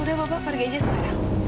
udah pak pergi aja sekarang